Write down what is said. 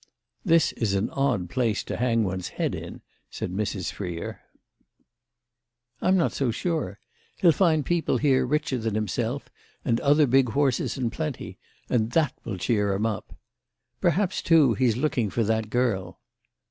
"This is an odd place to hang one's head in," said Mrs. Freer. "I'm not so sure. He'll find people here richer than himself, and other big horses in plenty, and that will cheer him up. Perhaps too he's looking for that girl."